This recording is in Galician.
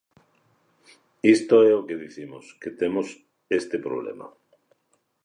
Isto é o que dicimos, que temos este problema.